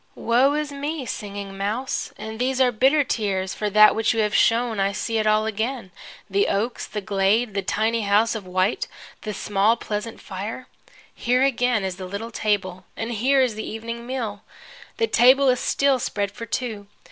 Woe is me, Singing Mouse, and these are bitter tears for that which you have shown I see it all again, the oaks, the glade, the tiny house of white, the small pleasant fire. Here again is the little table, and here is the evening meal. The table is still spread for two.